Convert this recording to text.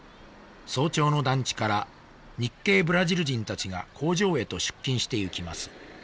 早朝の団地から日系ブラジル人たちが工場へと出勤していきます